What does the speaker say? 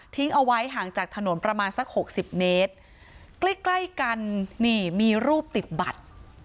เอาไว้ห่างจากถนนประมาณสักหกสิบเมตรใกล้ใกล้กันนี่มีรูปติดบัตร